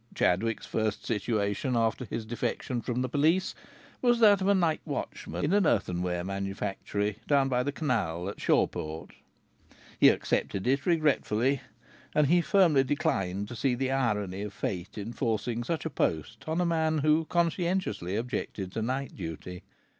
Chadwick's first situation after his defection from the police was that of night watchman in an earthenware manufactory down by the canal at Shawport. He accepted it regretfully, and he firmly declined to see the irony of fate in forcing such a post on a man who conscientiously objected to night duty.